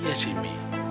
iya sih mih